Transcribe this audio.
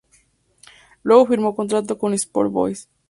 Luego firmó contrato con Sport Boys.